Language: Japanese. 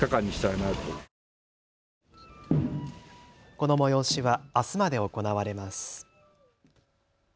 この催しはあすまで行われます。